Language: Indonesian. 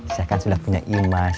saya kan sudah punya imas